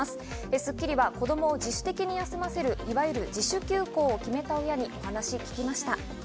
『スッキリ』は子供を自主的に休ませるいわゆる自主休校をさせることを決めた親に話を聞きました。